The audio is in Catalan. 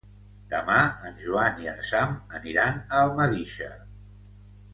Demà en Joan i en Sam aniran a Almedíxer.